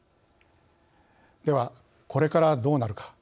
では、これからどうなるか